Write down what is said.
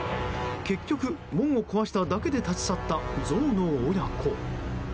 結局、門を壊しただけで立ち去ったゾウの親子。